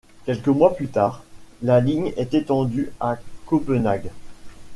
Quelques mois plus tard, la ligne est étendue à Copenhague.